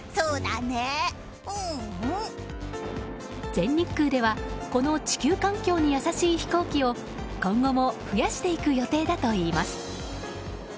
全日空ではこの地球環境に優しい飛行機を今後も増やしていく予定だといいます。